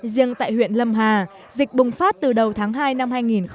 riêng tại huyện lâm hà dịch bùng phát từ đầu tháng hai năm hai nghìn một mươi chín